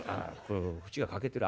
縁が欠けてる。